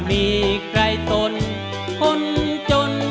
ในรายการร้องได้ให้ร้านลูกทุ่งสู้ชีวิต